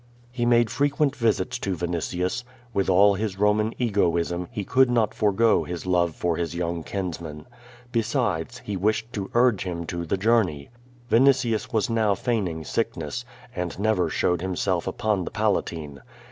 He made frequent visits to Vinitius. With all his Roman egoism, he could not forgo his love for his young kinsman. Besides, he wished to urge him to the journey. Vinitius was now feigning sickness, and never showed himself upon the Palatine.